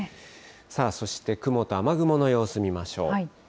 そして、雲と雨雲の様子見ましょう。